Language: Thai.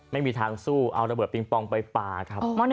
ไม่มีทางสู้เอาระเบิดปิงปองไปป่าครับ